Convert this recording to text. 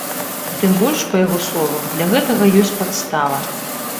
Тым больш, па яго словах, для гэтага ёсць падстава.